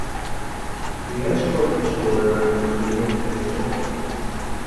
The escort destroyer was named in his honor.